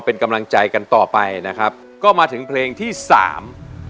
เป็นกำลังใจกันต่อไปนะครับก็มาถึงเพลงที่สาม